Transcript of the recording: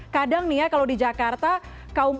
kadang nih ya kalau di jakarta kaum